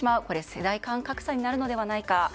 世代間格差になるのではないか。